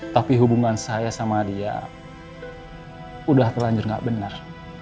tapi hubungan saya sama dia udah terlanjur nggak benar